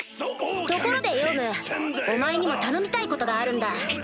ところでヨウムお前にも頼みたいことがあるんだ。